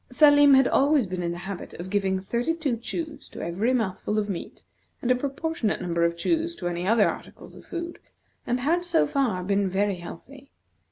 Salim had always been in the habit of giving thirty two chews to every mouthful of meat, and a proportionate number of chews to other articles of food; and had, so far, been very healthy.